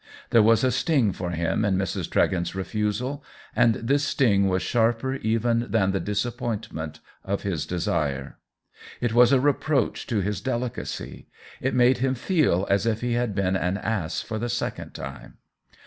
There was a sting for him in Mrs. Tregent's refusal, and this sting was sharper even than the disappointment of his desire. It was a reproach to his deli cacy ; it made him feel as if he had been an ass for the second time.